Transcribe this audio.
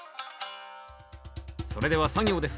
それでは作業です。